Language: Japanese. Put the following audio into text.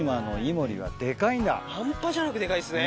半端じゃなくデカいっすね。